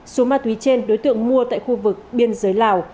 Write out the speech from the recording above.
số ma túy trên đối tượng mua tại khu vực biên giới lào